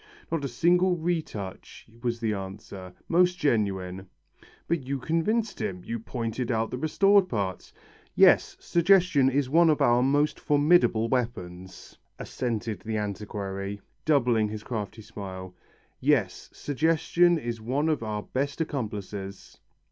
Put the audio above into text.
"Not a single retouch," was the answer, "most genuine." "But you convinced him. You pointed out the restored parts." "Yes, suggestion is one of our most formidable weapons," assented the antiquary, doubling his crafty smile. "Yes. Suggestion is one of our best accomplices."